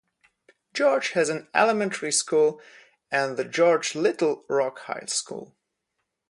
George has an elementary school and the George-Little Rock High School.